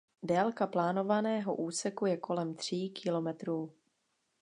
Délka plánovaného úseku je kolem tří kilometrů.